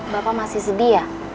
bapak masih sedih ya